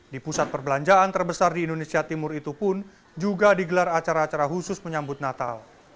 di pusat perbelanjaan terbesar di indonesia timur itu pun juga digelar acara acara khusus menyambut natal